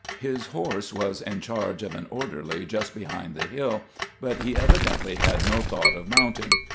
His horse was in charge of an orderly just behind the hill, but he evidently had no thought of mounting.